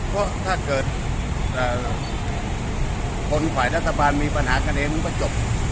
เพราะถ้าเกิดคนฝ่ายรัฐบาลมีปัญหากันเองมันก็จบ